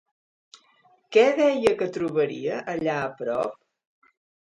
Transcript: Què deia que trobaria allà a prop?